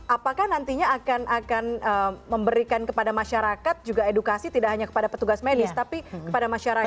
apakah nantinya akan memberikan kepada masyarakat juga edukasi tidak hanya kepada petugas medis tapi kepada masyarakat